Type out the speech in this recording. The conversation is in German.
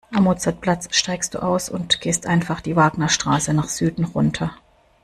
Am Mozartplatz steigst du aus und gehst einfach die Wagnerstraße nach Süden runter.